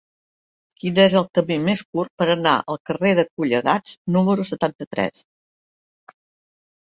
Quin és el camí més curt per anar al carrer de Collegats número setanta-tres?